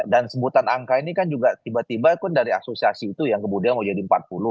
dan sebutan angka ini kan juga tiba tiba kan dari asosiasi itu yang kemudian mau jadi empat puluh